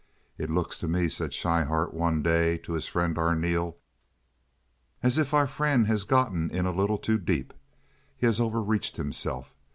"It looks to me," said Schryhart, one day, to his friend Arneel, "as if our friend has gotten in a little too deep. He has overreached himself.